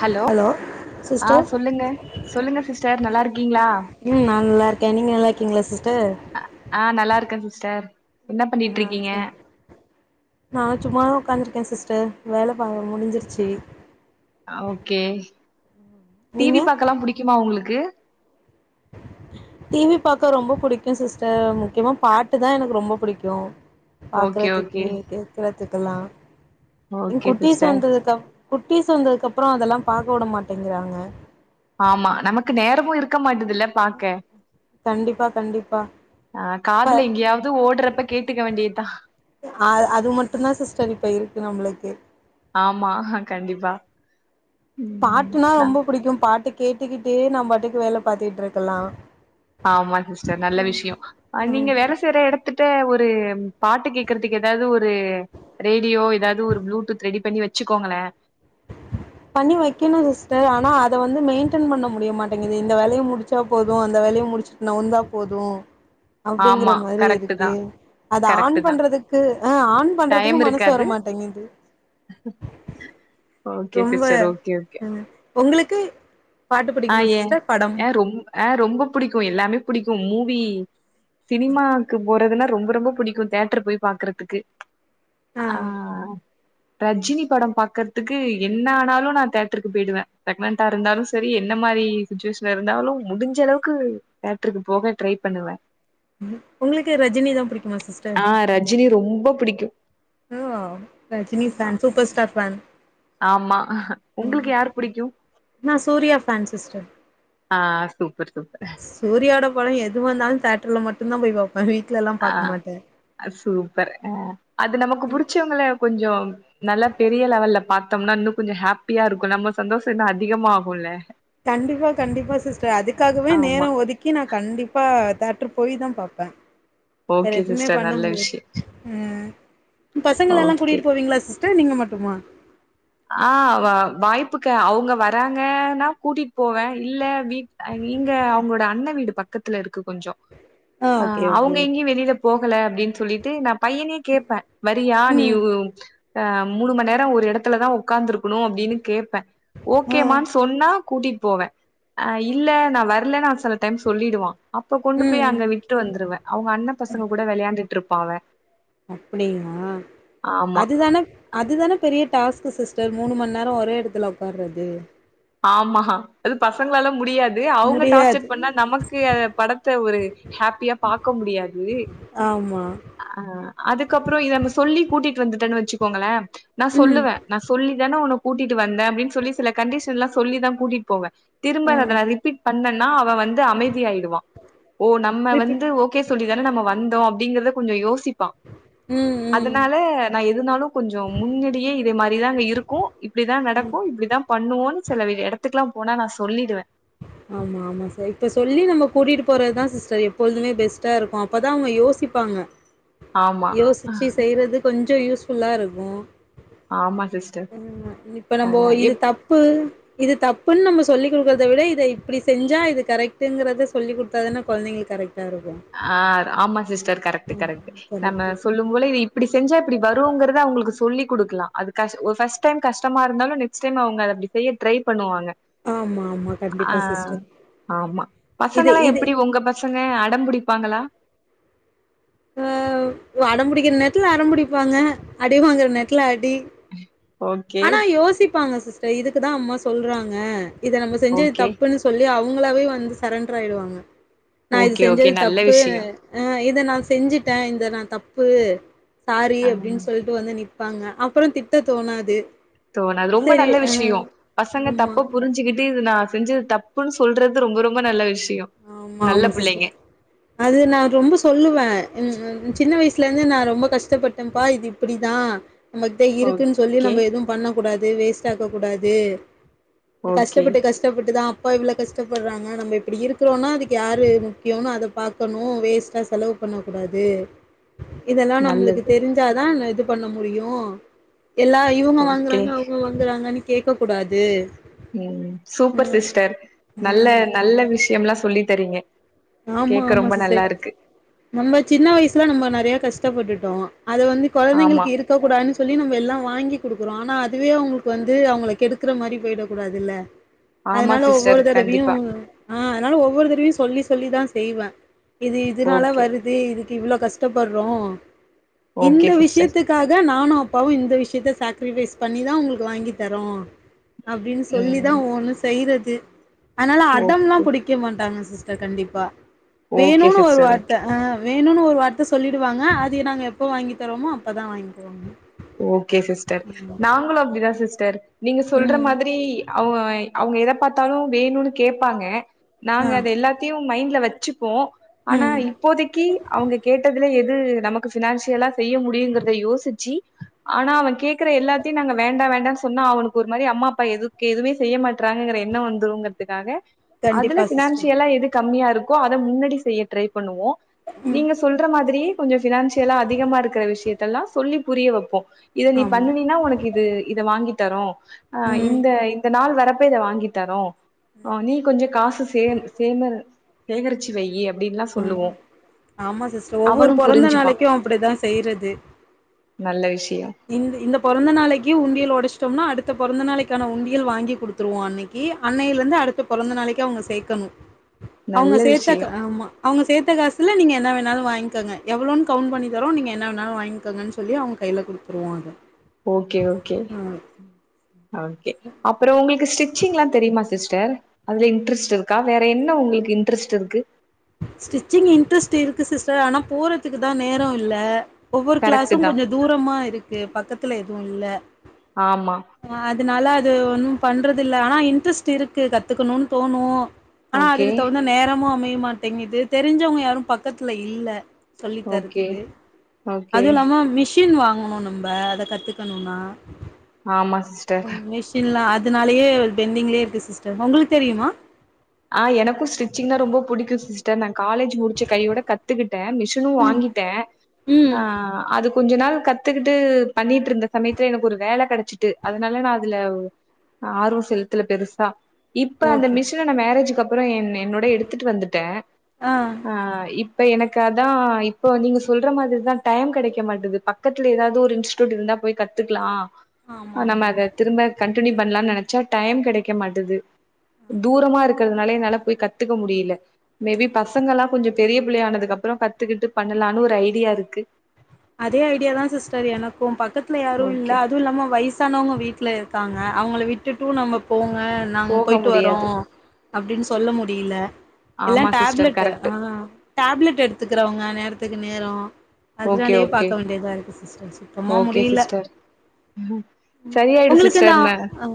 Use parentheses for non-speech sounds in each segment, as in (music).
Hello ஆ sister சொல்லுங்க சொல்லுங்க சிஸ்டர் நல்லா இருக்கீங்களா கே நீங்க நல்லா இருக்கீங்களா சிஸ் ஆ நல்லா இருக்கே சிஸ்டர் என்ன பண்ணிட்டு ஆ இருக்கீங்க சரி நா சும்மா தா உக்காந்து இருக்கே சிஸ் டர் வேல ப முடிஞ்சிருச்சு ஆ ஓகே நீங்க டிவி பாக்கல்லா புடிக்குமா உங்களுக்கு (inaudible) டிவி பாக்க ரொம்ப புடிக்கு சிஸ்டர் முக்கியமா பாட்டு தா எனக்கு ரொம்ப பிடிக்கு ஓகே ஓகே பாக்குறதுக்கு கேக்றதுக்கெல்லா எ ஓகே குட்டிஸ் சிஸ்டர் வந்ததுக்கப் குட்டிஸ் வந்ததுக்கப்புறோ அதெல்லா பாக்க வுட மாட்டேங்கிறாங்க ஆமா நமக்கு நேரமு இருக்க மாட்டதுல பாக்க கண்டிப்பா கண்டிப்பா ஆ இப்ப காதுல எங்கேயாவது ஓடுறப்ப கேட்டுக்க வேண்டியதா அ அது மட்டுந்தா சிஸ்டர் இப்ப இருக்கு நம்மளுக்கு ஆமா கண்டிப்பா ம் பாட்டுனா நா ரொம்ப புடிக்கு பாட்டு கேட்டுக்கிட்டு நம் பாட்டுக்கு வேல பாத்துகுட்ருக்கலா ஆமா சிஸ்டர் நல்ல விஷயோ அ நீங்க ஆமா வேல செய்ற எடத்து ட்ட ஒரு பாட்டு கேக்கறதுக்கு ஏதாவது ஒரு ரேடியோ ஏதாவது ஒரு ப்ளூடூத் ரெடி பண்ணி வெச் சுக்கோங்களே (inaudible) பண்ணி வைக்கணு சிஸ்டர் ஆனா அத வந்து மெயின்டென் பண்ண முடிய மாட்டேங்குது இந்த வேலைய முடிச்சா போது இந்த வே லைய முடிச்சுட்டு நவுந்தா போது அப்டிங்கிற ஆமா மாரி கரெக்ட் இருக்கு தா அது கரெக்ட் ஆன் தா பண்றதுக்கு ஆ ஆன் பண்றதுக்கு டைம் மனசு இருக்காது வரமாட்டேங்குது (inaudible) ரொம்ப சிஸ்டர் ஓகே ஓகே ம் உங்களுக்கு பாட்டு ஆ புடிக்குமா ஏ சிஸ்டர் படம் அ ரொம் ஆ ரொம்ப புடிக்கு எல்லாமே புடிக்கு மூவி சினிமாக்கு போறதுன்னா ரொம்ப ரொம்ப பிடிக்கு தேட்டர் போய் பாக்குறதுக்கு ஆ ரஜினி பட பாக்கறதுக்கு என்ன ஆனாலு நா தேட்டர்க்கு பேய்டுவே பிரெக்னன்டா இருந்தாலு செ ரி என்ன மாரி சிச்சுவேஷன் இருந்தாலு முடிஞ்ச அளவுக்கு தேட்ருக்கு போக ட்ரை பண்ணுவே உங்களுக்கு ரஜினிதா புடிக்குமா சிஸ்டர் ப பிடிக்கு அ ரஜினி ஃபேன் சுப்பர்ஸ்டார் ஃபேன் ஆமா உங்களுக்கு யார் புடிக்கு நா சூர்யா ஃபேன் சிஸ்டர் ஆ சூப்பர் சூப்பர் சூரியோட படோ எது வந்தாலு தேட்டர்ல மட்டுந்தா போய் பாப் ஆ சூப்பர் ஆ அது நமக்கு புடிச்சவங்கள கொஞ்சோ நல்லா பெரிய லெவல்ல பாத்தோம்னா இன்னு கொஞ்சோ ஹாப்பியா இருக்கு நம்ம சந்தோஷோ இன்னு அதிகமா ஆகுல்ல கண்டிப்பா கண்டிப்பா சிஸ்டர் அதுக்காகவே நேர ஆமா ஒதுக்கி நா கண்டிப்பா தே ட்ரு போயி தா பாப்பே வெற ஓகே எதுவுமே சிஸ்டர் பண்ண நல்ல முடியு விஷயோ அ பசங்கள எல்லா ஓகே கூட்டிட்டு போவீங்களா சிஸ்டர் நீங்க மட்டுமா ஆ வ வாய்ப்புக்கா அவங்க வராங்கன்னா கூட்டிட்டு போவே இல்ல வீட் ஆ இங்க அவங்களோட அண்ண வீடு பக்கத்துல இருக்கு கொஞ்சோ ஆ ஓகே ஓகே அவங்க எங்கயு வெளியில போகல அப்டின்னு சொல்லிட்டு நா பையனயே கேப்பே வரியா நீ ம் உ யு ஆ மூணு மணி நேர ஒரு எடத்துலதா உக்காந்துருக்கணு அப்டின்னு கேப்பே ஆ ஓகேமான்னு சொன்னா கூட்டிட்டு போவே ஆ இல்ல நா வர்ல நா சில டைம் சொல்லிடுவா அப்ப கொண்டு போய் ம் அங்க விட்டுட்டு வந்துருவே அவங்க அண்ண பசங்க கூட வெளையாண்டுட் ருப்பா அவ அப்டியா ஆமா அதுதானே அதுதானே பெரிய டாஸ்க் க்கு சிஸ்டர் மூணு மணி நேரோ ஒரே எடத்துல உக்கார்றது ஆமா அது பசங்களால முடியா து அவங்க முடியாது டார்ச்சர் பண்ணா நமக்கு அ படத்த ஒரு ஹாப்பியா பாக்க முடியாது ஆமா ஆ அதுக்கப்புறோ இத நம்ம சொல்லி கூட்டிட்டு வந்துட்டோனு வச்சுக் கோங்ளே நா ம் சொல்லுவ நா சொல்லி தானே உன்ன கூட்டிட்டு வந்த அப்டீனு சொல்லி சில கண்டீஷ் எல்லா சொல்லிதா கூட்டிட்டு போவே திரும்ப ஆ நா அத ரிபீட் பண்ணேனா அ வ வந்து அமைதியாயிடுவா ஓ நம்ம திருப்பி வந்து ஓகே சொல்லி தானே நம்ம வந்தோ அப்டீங்கறத கொஞ்சோ யோசிப்பா ம் ம் அதனால நா எதுனாலு கொஞ்சோ முன்னடியே இதே மாதிரிதாங்க இருக்கோ இப்டிதா நடக்கும் இப்டீதா பண்ணுவோனு சில எடத்துக்குலா போனா நா சொல்லிடுவ ஆமா ஆமா சிஸ்டர் இப்ப சொல்லி நம்ம கூட்டிட்டு போறதுதா சிஸ்டர் எப்பொழுதுமே பெஸ்டா இருக்கோ அப்பதா அவுங்க யோசிப் பாங்க ஆமா யோசிச்சு செய்யறது கொஞ்சோ யூஸ்ஃபுல்லா இருக்கோ ஆமா சிஸ்டர் ஆமா இப்ப நம்மோ அ இது எப் தப்பு இது தப்புன்னு நம்ம சொல்லி் கொடுக்குறத விட இதப் இப்புடி செஞ்சா இது கரெக்டுங்கறத சொல்லி குடுத்தாதான கொழந்தைங்களுக் கரெக்ட் ஆ ஆமா சிஸ்டர் கரெக்டு கரெக்டு நம்ம கரெக்ட்டு சொல்லும் போல இப்படி செஞ்சா இப்படி வருங்கறத அவுங்குளுக்கு சொல்லிக் குடுக்கலா அது கஷ் ஒரு ஃபர்ட் டைம் கஷ்டமா இருந்தாலு நெக்ஸ்ட் டைம் அவுங்க அத அப்டி செய்ய ட்ரை பண்ணுவாங்க ஆமா ஆமா ஆ கண்டிப்பா சிஸ்டர் ஆமா இது பசங்கலா இது எப்டி உங்க பசங்க அடம் பிடிப்பாங்களா ஆ அடம்பிடிக்குற நேரத்துல அடம்பிடிப்பாங்க அடி வாங்குற நேரத்துல அடி ஓகே ஆனா யோசிப்பாங்க சிஸ்டர் இதுக்குதா அம்மா சொல்றாங்க இத நம்ம செஞ்சது ஓகே தப்புன்னு சொல்லி அவுங் ங்களாவே வந்து சரண்டர் ஆயிடுவாங்க நா இது ஓகே ஓகே செஞ்சது நல்ல தப்பு விஷயோ அ இத நா செஞ்சுட்ட இந்த நா தப்பு சாரி ஆ அப்டின்னு சொல்ட்டு வந்து நிப் பாங்க அப்புறோ திட்ட தோணாது சோ நா அது ரொம்ப சரி நல்ல அ விஷயோ பசங்க ஆமா. தப்ப புரிஞ்சுிக்கிட்டு இது நா செஞ்சது தப்புன்னு சொல்றது ரொம்ப ரொம்ப நல்ல விஷ் ஆமா ஆமா சிஸர் அது நா ரொம்ப சொல்லுவ ம் ம் சின்ன வயசுல இந்து நா ரொம்ப கஷ்டப்பட்டேன்ப்பா இது இப்டிதா நம்மக்கிட்ட இருக்குன்னு சொல்லி ஓகே நம்ம எதுவு பண்ண கூடாது வேஸ்ட் ஆக்க கூடாது ஓகே கஷ்டப்பட்டு கஷ்டப்பட்டுதா அப்பா இவ்ளோ கஷ்டப்படுறாங்க நம்ம இப்டி இருக் இருக்குறோனா அதுக்கு யாரு முக்கியோனு அத பாக்கணோ வேஸ்ட்டா செலவு பண்ணக்கூடாது இதெல்லா நம்முளுக்கு நல்லது தெரிஞ்சாதா நா இது பண்ண முடியோ எல்லா இவுங்க ஓகே வாங்குறாங்க அவுங்க வாங்குறாங்கனு கேக்க கூடாது ம் சூப்பர் சிஸ்டர் நல்ல நல்ல விஷயம்லா சொல்லி தறீங்க ஆமா ஆமா சிஸ்டர் நம்ம சின்ன வயசுல நம்ம நறையா கஷ்டப்பட்டுட்டோ அத வந்து ஆமா கொழந்தைங்குளுக்கு இருக்க கூடாதுனு சொல்லி நம்ம எல்லா வாங்கிக் குடுக்குறோ ஆனா அதுவே அவுங்குளுக்கு வந்து அவுங்கள கெடுக்குற மாரி போயிட கூடாது இல்ல ஆமா அதனால சிஸ்டர் ஒவ்வோரு கண்டிப்பா தடவயையு ஆ அதனால ஒவ்வொரு தடவயு சொல்லி சொல்லிதா செய்வ இது இதனால ஓகே வருது இதுக்கு இவ்வளோ கஷ்டப்படுறோ இந்த ஓகே சிஸ்டர் விஷயத்துக்காக நானோ அப்பாவு இந்த விஷயத்த சாக்கரிஃபைஸ் பண்ணிதா உங்குளுக்கு வாங்கி தரோ அப்டினு சொல்லிதா ம் ஒவ்வோணோ செய்றது அத்னால அடம்லா ஓகே பிடிக்க மாட்டாங்க சிஸ்டர் கண்டிப்பா ஓகே வேணோனு ஒரு சிஸ்டர் வார்த்த ஓகே ஆ வேணோனு ஒரு ஒரு வார்த்த சொல்லிடுவாங்க அத நாங்க எப்போ வாங்கி தருவோமோ அப்பதா வாங்கி தருவாங்க ஓகே சிஸ்டர் நாங்களோ அப்படிதா சிஸ்டர் நீங்க சொல்ற ம் மாதிரி அவ அவுங்க எத பாத்தாலோ வேணும்னு கேப்பாங்க ஆ நாங்க அத எல்லாத்தையு மைண்ட்ல வச்சுப்போ ஆனா ம் இப்போதைக்கி அவுங்க கேட்டதுல எது எது நமக்கு ஃபினான்சியலா செய்ய முடியும்ங்குறத யோசிச்சு ஆனா அவ கேக்குற எல்லாத்தையு நாங்க வேண்டா வேண்டானு சொன்னா அவனுக்கு ஒரு மாரி அம்மா அப்பா எதுக்கு எதுவுமே செய்ய மாட்டே ங்கிற எண்ணோ வந்துங்குறதுக்காக அதுல கண்டிப்பா சிஸ்டர் ஃபினான்சியலா எது கம்மியா இருக் கோ அத முன்னாடி செய்ய ட்ரை பண்ணுவோ நீங்க சொல்ற மாதிரி கொஞ்சோ ஃப்னான்சியலா அதிகமா இருக்கற விஷ்யத்தெல்லா சொல்லி புரிய வப் இத நீ ஆமா பண்ணுனினா ஒனக்கு இது இத வாங்கி தரு ஆ ம் இந்த இந்த நாள் வரப் ப்ப இத வாங்கி தரு ஆ நீ கொஞ்சோ காசு சேந்தரு சேகரிச்சு வையி அப்டின்லா ம் சொல்லுவோ ஆமா சிஸ்ட்ரு ஒவ்வொரு அவனு பொறந்த புரிஞ்சுப்பா நாளைக்கி அப்டிதா செய்றது நல்ல விஷ் இந்த இந்த பொறந்த நாளைக்கி உண்டியல் ஒடச்சிட்டோம்னா அடுத் த பொறந்த நாளைக்கான உண்டியல் வாங்கி குடுத்துருவோ அன்னைக்கி அன்னையில இருந்து அடுத்த பொறந்த நாளைக்கி அவுங்க சேக்கணு அவுங்க நல்ல சேத்த கா விஷயோ ஆமா அவுங்க சேத்த காசுல நீங்க என் ன வேணாலு வாங்கங்க எவ்ளோனு கவுண்ட் பண்ணி தரோ நீங்க என்ன வேண்ணாலு வாங்கங்கன்னு சொல்லி அவுங்க கையில குடுத்துருவோ அத ஓகே ஓகே ம் ஓகே அப்றோ உங்களுக்கு ஸ்டிச்சிங் எல்லா தெரியுமா சிஸ் டர் அதுல இன்ட்ரெஸ்ட் இருக்கா வேற என்ன உங்களுக்கு இன்ட்ரெஸ்ட் இருக்கு ஸ்டிச்சிங் இன்ட்ரெஸ்ட் இருக்கு சிஸ்டர் ஆனா போறதுக்கு தா நேரோ இல்ல ஒவ்வொரு கரெக்ட் கிளாஸ்சு தா கொஞ்சோ தூரமா இருக்கு பக்கத்துல எதுவு இல்ல ஆமா அதனால அது ஒன்னு பண்றது இல்ல ஆனா இன்ட்ரெஸ்ட் இருக்கு கத்துக்கணுன் தோணு ஆனா ஓகே அதுக்கு தகுந்த நேரமு அமைய மாட்டேங்குது தெரிஞ்சவங்க யாரு பக்கத்துல இல்ல சொல்லி ஓகே தரதுக்கு ஓகே அதுவு இல்லாம மிஷ் ஷின் வாங்கணு நம்ம அத கத்துக்கணுனா ஆமா சிஸ்டர் மிஷின்லா அதனாலயே பென்டிங்லியே இருக்கு சிஸ்டர் ஒங்களுக்கு தெரியுமா ஆ எனக்கு ஸ்டிச்சிங்னா ரொம்ப புடிக்கு சிஸ்டர் நா காலேஜ் முடிச்ச கையோட கத்துக்கிட்டே மிஷினு வாங்கிட்டே ஆ ம் அதுக்கு கொஞ்சோ நாள் கத்துக்கிட்டு பண்ணிட்டு இருந்த சமயத்துல எனக்கு ஒரு வேல கெடைச்சிட்டு அதனால நா அதுல ஆர்வோ செலுத்துல பெருசா இப்ப அந்த ஓகே மிஷின நா மேரேஜக்கு அப்றோ என் என்னோட எடுத்துட்டு வந்துட்டே ஆ இப் இப்ப எனக்கு அதா இப்போ நீங்க சொல்ற மாத்ரிதா டைம் கெடைக்க மாட்டது பக்கத்துல ஏதாவுது ஒரு இன்ஸ்டூட் இருந்தா போய் கத்துக்கலா ஆ ஆமா நம்ம ஆமா அத திரும்ப கண்டினியூ பண்ணலானு நெனைச்சா டைம் கெடைக்கமாட்டது ம் ஆமா தூரமா ஆமா இருக்கறதுனால என்னால போய் கத்துக்க முடியில மேபி பசங்கெல்லா கொஞ்சோ பெரிய புள்ளய ஆனதுக்கு அப்றோ கத்து கத்துகிட்டு பண்ணலான்னு ஒரு ஐடியாருக்கு அதே ஐடியா தா சிஸ்டர் எனக்கு பக்கத்துல யாரு இல்ல ஓகே அதுவு இல்லாம வய்சு சனவங்க வீட்ல இருக்காங்க அவுங்கள விட்டுட்டு நம்ம போ (inaudible) நாங்க போக போயிட்டு வரோ முடியாது அப்டின் சொல்ல முடியில எல்லா ஆமா சிஸ்டர் டேப்லெட் கரெக்ட் ஆ டேப்லெட் எடுத்துக்கிறவங்க நேர த்துக்கு நேரோ ஓகே அதுனாலயே ஓகே பாக்க வேண்டியதா இருக்கு சிஸ்டர் சுத்தமா ஓகே முடியில சிஸ்டர் ம் சரியாயிடு ஒங்களுக்கு இந்த சிஸ்டர் நா ஆ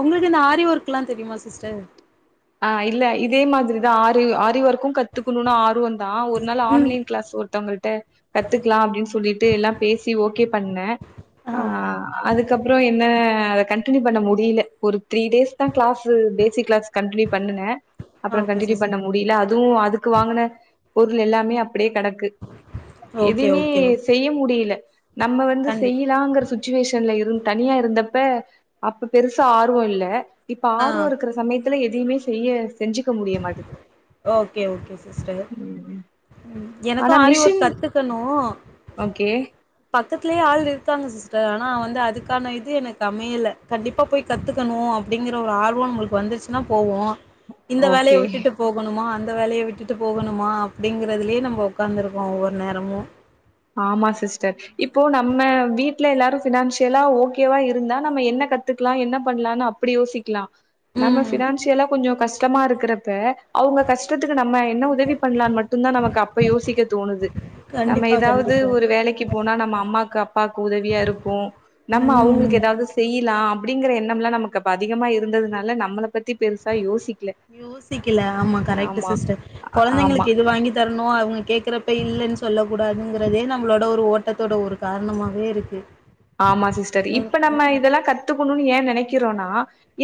ஒங்களுக்கு இந்த ஆரி ஒர்க்குலா தெரியுமா சிஸ்டர் ஆ இல்ல இதே மாத்ரிதா ஆரி ஆரி ஒர் க்கு கத்துக்கணுனு ஆருவ தா ஒரு நாள் ம் ஆன்லைன் கிளாஸ் ஒருத்தவங்கள்ட்ட கத்துக்கலா அப்டின்னு சொல்லிட்டு எல்லா பேசி ஓகே பண்ணே ஆ அதுக்கப்புறோ என்ன அத கண்டினியூ பண்ண முடியில ஒரு த்ரீ டேஸ்தா கிளாஸ்சு பெசிக் கிளாஸ்சு கன்டினியூ பண்ணுன ஆ அப்றோ ஓகே கண்டனியூ சிஸ் பண்ண முடியில அதுவு அதுக்கு வாங்குன பொருளு எல்லாமே அப் ப்டியே கடக்கு ஓகே எதுமே ஓகே ஓகே செய்ய முடியில நம்ம வந்து கண்டிப் செய்யிலங்கற சுச்சுவேஷன்ல இருந் தனியா இருந்தப்ப அப்ப பெருசா ஆர்வோ இல்ல இப்ப ஆ ஆருவோ இருக்குற சமயத் துல எதியுமே செய்ய செஞ்சுக் ஓகே ஓகே சிஸ்டர் ம் ம் எனக்கு ஆனா ஆரி ஒர்க் மிஷின் கத்துக்கணு ஓகே பக்கத்திலேயே ஆள் இருக்காங்க சிஸ் டர் ஆனா வந்து அதுக்கான இது எனக்கு அமையல கண்டிப்பா போய் கத்துக்கணு அப்டிங்கிற ஒரு ஆர்வோ நம்பளுக்கு வந் ச்சுன்னா போவோ இந்த வேலயை ஓகே விட்டுட்டு போகணுமா அந் த வேலயை விட்டுட்டு போகணுமா அப்டிங்கறதுலியே நம்ப ஒக்காந்துருக்கோ ஒவ்வொரு நேரமு ஆமா சிஸ்டர் இப்போ நம்ம வீட்ல எல்லாரு பினான்சியலா ஓகேவா இருந்தா நம்ம என்ன கத்துக்கலா என்ன பண்ணலானு அப்டி யோசிக்கலா நம்ம ம் பினான்சியலா கொஞ்ச கஷ்டமா இருக்கறப்ப அவங்க கஷ்டத்துக்கு நம்ம என்ன உதவி பண்ணலானு மட்டுதா நமக்கு அப்ப யோசிக்க தோணுது கண்டிப்பா கண் வந்து ஒரு வேலைக்கு போனா நம்ம அம்மாக்கு அப்பாக்கு உதவியா இருக்கு நம்ம ம் அவங்களுக்கு ஏதாவது செய்யலா அப்படிங்கிற எண்ணம்லா நமக்கு அ அதிகமா இருந்ததுனால நம்மல பத்தி பெருசா யோசிக் யோசிக்கல ஆமா கரெக்ட் சிஸ்டர் ஆமா குழந்தைங்களுக்கு இது வாங்கி தரணு அவங்க கேக்குறப்ப இல்லனு சொல்ல கூடாதுங்கிறதே நம்மளோட ஒரு ஓட்டத்தோட ஒரு காரணமாவே இருக்கு ஆமா சிஸ்டர் ம் இப்ப நம்ம இதெல்லா கத்துக்கணு ஏன் நினைக்கிறோனா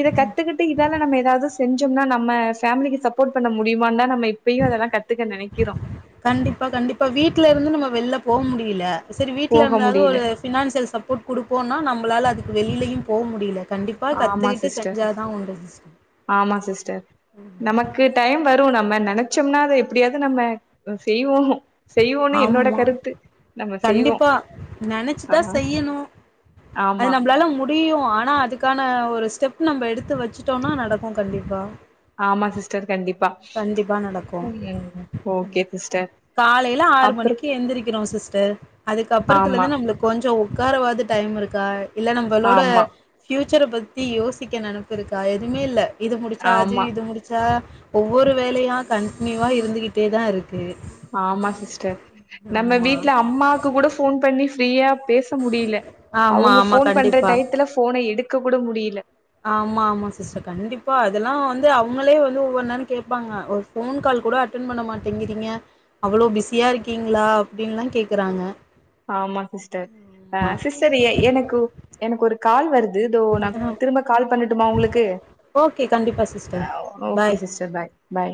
இத கத்துக்கிட்டு இதனால நம்ம ஏதாவது செஞ்சோம்னா நம்ம பேமிலிக்கு சப்போர்ட் பண்ண முடியமா தா நம்ம இப்பயு அதெல்லா கத்துக்க நினைக்கிறோ கண்டிப்பா கண்டிப்பா வீட்ல இருந்து நம்ம வெளில போ முடியல செரி வீட்டல போக இருந்தாவது முடியல ஒரு பினான்சியல் சப்போர்ட் கொடுப்போம்னா நம்மளால அதுக் வெளியிலயு போ முடியல கண்டிப்பா ஆமா கத்துக்கிட்டு சிஸ்டர் செஞ்சாதா உண்டு ஆமா சிஸ்டர் நமக்கு டைம் வரு நம்ம நினைச்சோம்னா அத எப்படியாவது நம்ம செய்வோ செய்வோன்னு என்னோட ஆமா கருத்து நம்ம செய்வோ கண்டிப்பா ஆ நினைச்சுதா செய்யணு ஆமா அது நம்மளால முடியு ஆனா அதுக்கான ஒரு ஸ்டெப் நம்ம எடுத்து வச்சிட்டோனா நடக்கு கண்டிப்பா ஆமா சிஸ்டர் கண்டிப்பா கண்டிப்பா நடக்கு ம் ஓகே சிஸ்டர் காலையில ஆறு அப்றோ மணிக்கு எந்திரிக்கிறோ சிஸ்டர் அதுக்கு அப்புறத்துல ஆமா இருந்து நம்மளுக்கு கொஞ்ச உட்காரவாத டைம் இருக்கா இல்ல நம்மளோட ஆமா ஃபுட் ச்சர பத்தி யோசிக்க நினப்பு இருக்கா எதுவுமே இல்ல இது முடிச்சா அது ஆமா இது முடிச்சா ஒவ்வொரு வேலையா கன்டினியூவா இருந்துகிட்டே தா இருக் ஆமா சிஸ்டர் நம்ம ஆமா வீட்டுல அம்மாக்கு கூட போன் பண்ணி ஃப்ரீயா பேச முடியல ஆமா அவங்க ஆமா போன் பண்ற கண்டிப்பா டயத்துல போன எடுக்க கூட முடியல ஆமா ஆமா சிஸ்டர் கண்டிப்பா அதெல்லா வந்து அவங்களே வந்து ஒவ்வொரு நேர கேட்பாங்க ஒரு போன் கால் கூட அட்டன் பண்ண மாட்டேங்கிறீங்க அவ்ளோ பிஸியா இருக்கீங்களா அப்படின்ல்லா கேக்கறாங்க ஆமா சிஸ்டர் ஆ சிஸ்டர் எனக்கு எனக்கு ஒரு கால் வரு து இதோ நா திரும்ப கால் பண்ணட்டுமா உங்களுக்கு ஓகே கண்டிப்பா sister okay bye sister bye பாய்